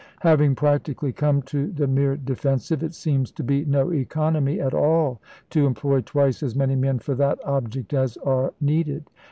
Having practically come to the mere defensive, it seems to be no economy at all to employ twice as many men for that object as are needed.